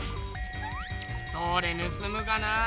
どれぬすむがなあ